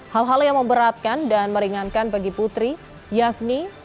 hal hal yang memberatkan dan meringankan bagi putri yakni